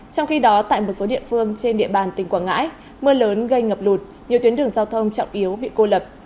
trong khi đó tại một số địa phương trên địa bàn tỉnh quảng ngãi mưa lớn gây ngập lụt nhiều tuyến đường giao thông trọng yếu bị cô lập